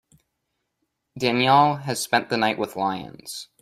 Danielle has spent the night with lions.